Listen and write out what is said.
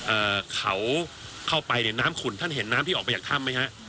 เอ่อเขาเข้าไปเนี่ยน้ำขุ่นท่านเห็นน้ำที่ออกไปจากถ้ำไหมฮะ